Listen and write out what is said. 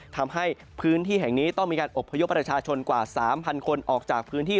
ทำให้พื้นที่แห่งนี้ต้องมีการอบพยพประชาชนกว่า๓๐๐คนออกจากพื้นที่